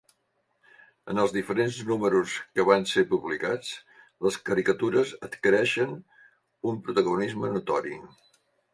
En els diferents números que van ser publicats, les caricatures adquireixen un protagonisme notori.